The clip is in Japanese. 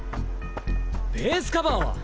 ベースカバーは？